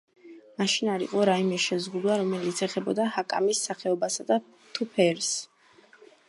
მაშინ არ იყო რაიმე შეზღუდვა, რომელიც ეხებოდა ჰაკამის სახეობასა თუ ფერს.